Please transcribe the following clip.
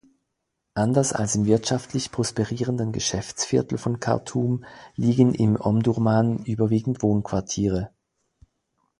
Anders als im wirtschaftlich prosperierenden Geschäftsviertel von Khartum liegen in Omdurman überwiegend Wohnquartiere.